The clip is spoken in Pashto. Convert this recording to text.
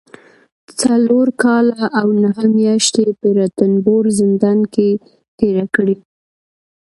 څلور کاله او نهه مياشتې په رنتنبور زندان کې تېرې کړي